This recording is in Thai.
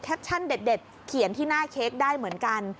เด็ดเขียนที่หน้าเค้กได้เหมือนกัน